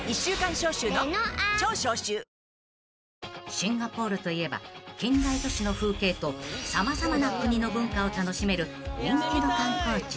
［シンガポールといえば近代都市の風景と様々な国の文化を楽しめる人気の観光地］